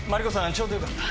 ちょうどよかった。